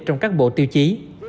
trong các bộ tiêu chí